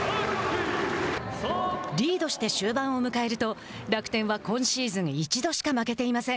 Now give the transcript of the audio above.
リードして終盤を迎えると楽天は今シーズン１度しか負けていません。